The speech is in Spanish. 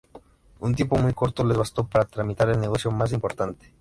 Un tiempo muy corto les bastó para tramitar el negocio más importante.